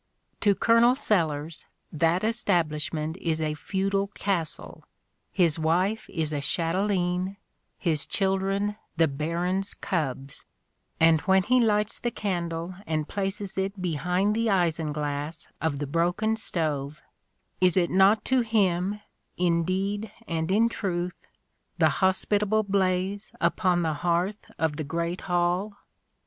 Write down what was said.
To Colonel Sellers that establishment is a feudal castle, his wife is a chateleine, his children the baron's cubs, and when he lights the candle and places it behind the isinglass of the broken stove, is it not to him, indeed and in truth, the hospitable blaze upon the hearth of the great hall?